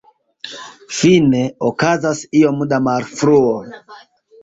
Fine, okazas iom da malfruo.